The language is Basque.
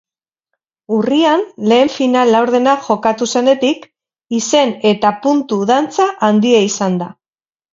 Urrian lehen final laurdena jokatu zenetik, izen-eta puntu-dantza handia izan da.